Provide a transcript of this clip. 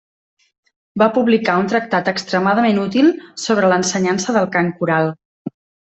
Va publicar un tractat extremadament útil sobre l'ensenyança del cant coral.